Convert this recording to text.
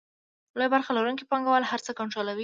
لویه برخه لرونکي پانګوال هر څه کنټرولوي